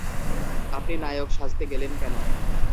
আপনি নায়ক সাজতে গেলেন কেন?